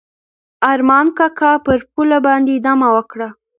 ارمان کاکا پر پوله باندې دمه وکړه.